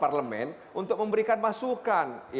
parlemen untuk memberikan masukan